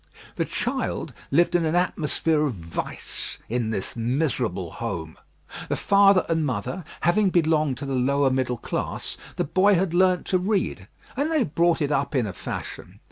The child lived in an atmosphere of vice in this miserable home. The father and mother having belonged to the lower middle class, the boy had learnt to read, and they brought it up in a fashion.